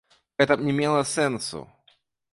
Гэта б не мела сэнсу.